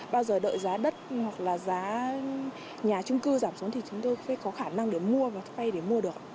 bao giờ đợi giá đất hoặc là giá nhà trung cư giảm xuống thì chúng tôi phải có khả năng để mua và thuê để mua được